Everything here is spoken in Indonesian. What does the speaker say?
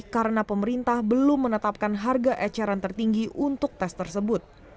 karena pemerintah belum menetapkan harga eceran tertinggi untuk tes tersebut